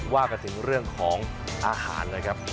ว่ากันถึงเรื่องของอาหารนะครับ